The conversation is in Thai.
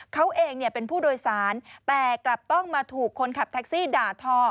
เขาเองเป็นผู้โดยสารแต่กลับต้องมาถูกคนขับแท็กซี่ด่าทอ